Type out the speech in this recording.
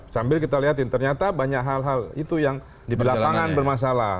sambil kita lihatin ternyata banyak hal hal itu yang di lapangan bermasalah